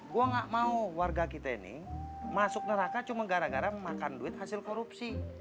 gue gak mau warga kita ini masuk neraka cuma gara gara memakan duit hasil korupsi